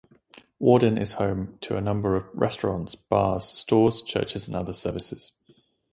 Worden is home to a number of restaurants, bars, stores, churches, and other services.